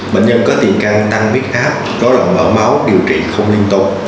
bệnh nhân có tiền căng tăng biết hát có lòng mở máu điều trị không liên tục